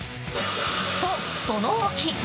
と、その時。